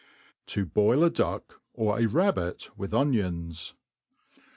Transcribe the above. Ji boil a Dud or a Rabbit with Onionr.